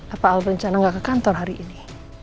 apa al berencana gak ke kantor hari ini